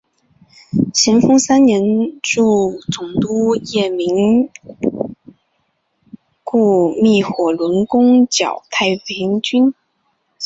咸丰三年助总督叶名琛雇觅火轮攻剿太平军。